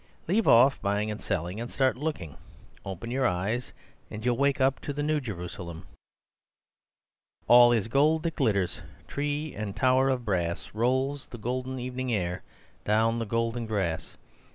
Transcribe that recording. Leave off buying and selling, and start looking! Open your eyes, and you'll wake up in the New Jerusalem. "All is gold that glitters— Tree and tower of brass; Rolls the golden evening air Down the golden grass.